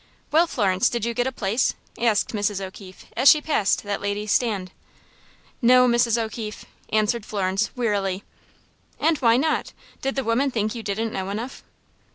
"Well, Florence, did you get a place?" asked Mrs. O'Keefe, as she passed that lady's stand. "No, Mrs. O'Keefe," answered Florence, wearily. "And why not? Did the woman think you didn't know enough?"